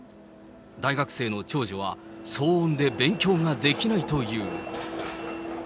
大学生の長女は騒音で勉強ができないという。